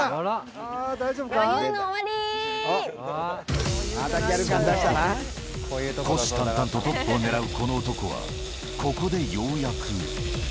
そのとき、虎視眈々とトップを狙うこの男は、ここでようやく。